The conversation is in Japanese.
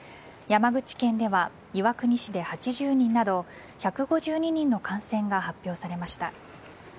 山口県では岩国市で８０人など１５２人の感染が発表されました。